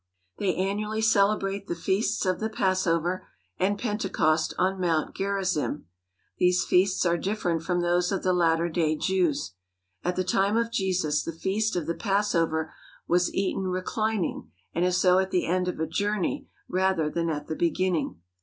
They annually celebrate the feasts of the Passover and Pentecost on Mount Gerizim. These feasts are different from those of the latter day Jews. At the time of Jesus the Feast of the Passover was eaten reclining and as 150 AMONG THE SAMARITANS though at the end of a journey rather than at the begin ning.